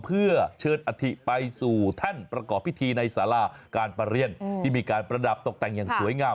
เพื่อเชิญอธิไปสู่แท่นประกอบพิธีในสาราการประเรียนที่มีการประดับตกแต่งอย่างสวยงาม